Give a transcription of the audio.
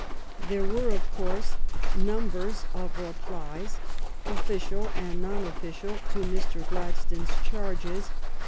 There were, of course, numbers of replies, official and non official, to Mr. Gladstone's charges.